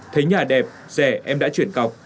thấy nhà đẹp rẻ em đã chuyển cọc